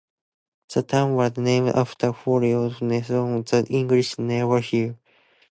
The town was named after Horatio Nelson, the English naval hero.